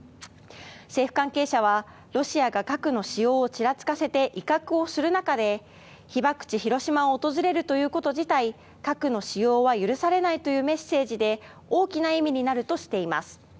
政府関係者はロシアが核の使用をちらつかせて威嚇をする中で被爆地・広島を訪れるということ自体核の使用は許されないというメッセージで大きな意味になるとしています。